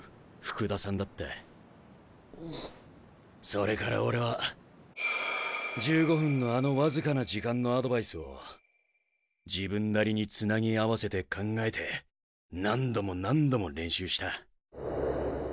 それから俺は１５分のあの僅かな時間のアドバイスを自分なりにつなぎ合わせて考えて何度も何度も練習した。